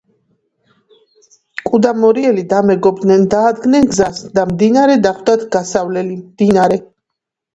კუ და მორიელი დამეგობრდნენ დაადგნენ გზას და მდინარე დახვდათ გასავლელი მდინარე